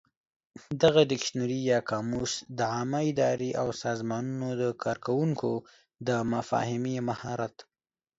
دغه ډکشنري یا قاموس د عامه ادارې او سازمانونو د کارکوونکو د مفاهمې مهارت